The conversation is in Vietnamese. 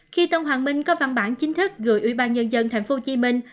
khi tân hoàng minh có văn bản chính thức gửi ủy ban nhân dân thành phố hồ chí minh